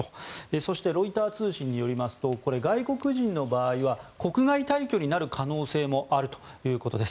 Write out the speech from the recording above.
そしてロイター通信によりますとこれは外国人の場合は国外退去になる可能性もあるということです。